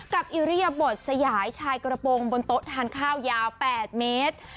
อิริยบทสยายชายกระโปรงบนโต๊ะทานข้าวยาว๘เมตร